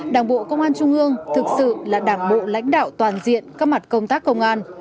đảng bộ công an trung ương thực sự là đảng bộ lãnh đạo toàn diện các mặt công tác công an